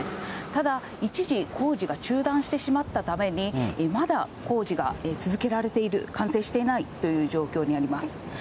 ただ、一時工事が中断してしまったために、まだ工事が続けられている、完成していないという状況にあります。